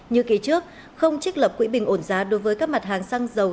như kỳ trước không trích lập quỹ bình ổn giá đối với các mặt hàng xăng dầu